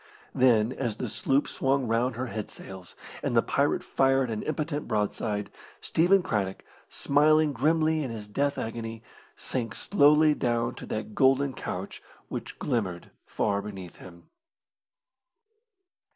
Then, as the sloop swung round her head sails, and the pirate fired an impotent broadside, Stephen Craddock, smiling grimly in his death agony, sank slowly down to that golden couch which glimmered far beneath him.